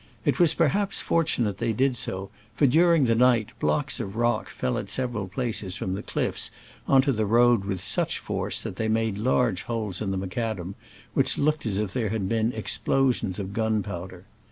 It was perhaps fortunate that they did so, for during that night blocks of rock fell at several places from the cliffs on to the road with such force that they made large holes in the macadam, which looked as if there had been explosions of gunpowder.